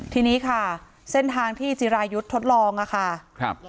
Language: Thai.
ทีนี้ค่ะเส้นทางที่จิรายุทธ์ทดลองอะค่ะครับ